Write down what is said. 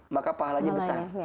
maka pahalanya besar